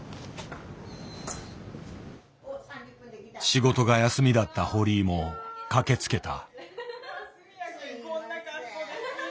仕事が休みだった堀井も駆けつけた。